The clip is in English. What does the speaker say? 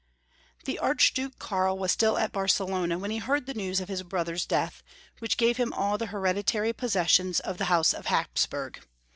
T^HE Archduke Karl was still at Barcelona *■ when he heard the news of his brother's death, which gave him all the hereditary possessions of the House of Hapsburg.